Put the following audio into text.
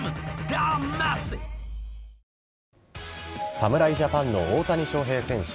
侍ジャパンの大谷翔平選手